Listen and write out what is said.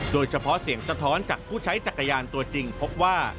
โดยเฉพาะเสียงสะท้อนจากผู้ใช้จักรยานตัวจริงพบว่า